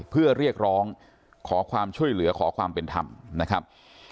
เพื่อเรียกร้องขอความช่วยเหลือขอความเป็นธรรมนะครับ